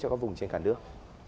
cho các vùng trên cả nước